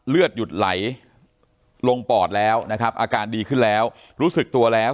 เลือดหยุดไหลลงปอดแล้วนะครับอาการดีขึ้นแล้วรู้สึกตัวแล้ว